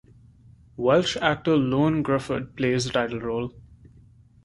Welsh actor Ioan Gruffudd plays the title role.